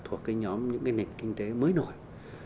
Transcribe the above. thuộc nhóm những nền kinh tế mới nổi